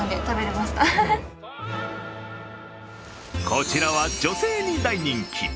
こちらは女性に大人気。